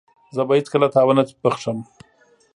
زه به هيڅکله تا ونه بخښم.